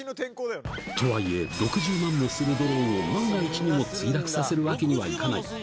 とはいえ、６０万もするドローンを、万が一にも墜落させるわけにはいかない。